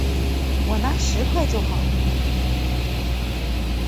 我拿十块就好